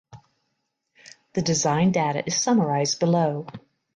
The design data is summarized below.